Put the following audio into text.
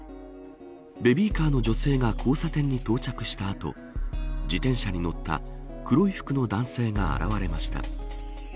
ベビーカーの女性が交差点に到着した後自転車に乗った黒い服の男性が現れました。